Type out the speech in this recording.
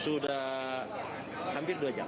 sudah hampir dua jam